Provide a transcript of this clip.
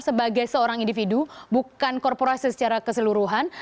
sebagai seorang individu bukan korporasi secara keseluruhan